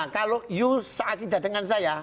kalau anda tidak dengan saya